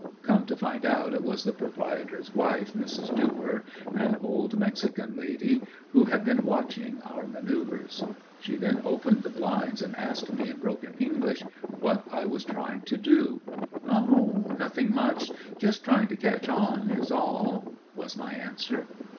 Come to find out it was the proprietor's wife, Mrs. Duper, an old mexican lady, who had been watching our maneuvers. She then opened the blinds and asked me in broken English, what I was trying to do? "Oh, nothing, much, just trying to catch on, is all;" was my answer.